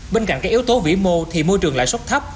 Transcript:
bên cạnh các yếu tố vĩ mô thì môi trường lãi suất thấp